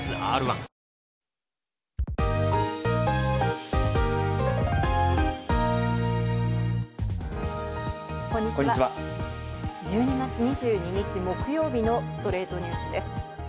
１２月２２日、木曜日の『ストレイトニュース』です。